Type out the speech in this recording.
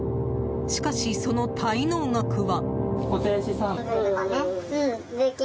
しかし、その滞納額は。